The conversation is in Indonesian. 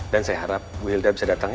dan saya harap bu hilda bisa datang ya